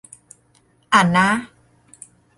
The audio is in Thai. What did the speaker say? อ่ะนะ